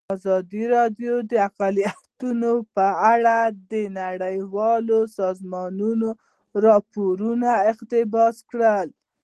ازادي راډیو د اقلیتونه په اړه د نړیوالو سازمانونو راپورونه اقتباس کړي.